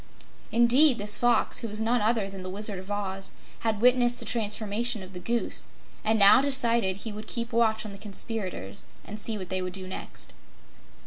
Indeed, this Fox, who was none other than the Wizard of Oz, had witnessed the transformation of the Goose and now decided he would keep watch on the conspirators and see what they would do next.